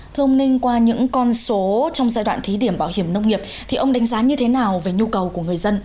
thưa ông ninh qua những con số trong giai đoạn thí điểm bảo hiểm nông nghiệp thì ông đánh giá như thế nào về nhu cầu của người dân